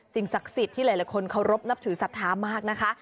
ศักดิ์สิทธิ์ที่หลายคนเคารพนับถือศรัทธามากนะคะ